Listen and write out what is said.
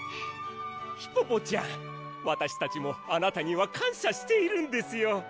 ヒポポちゃんわたしたちもあなたには感謝しているんですよ。